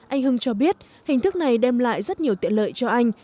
anh hưng cho biết hình thức này đem lại rất nhiều tiện lợi cho anh